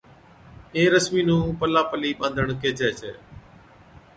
اي رسمِي نُون پلا پلي ٻانڌڻ ڪيهجَي ڇَي